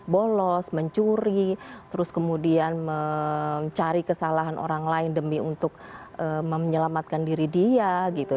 bolos mencuri terus kemudian mencari kesalahan orang lain demi untuk menyelamatkan diri dia gitu